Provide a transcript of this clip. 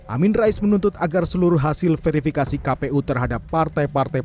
amin rais menuntut agar seluruh hasil verifikasi kpu terhadap partai partai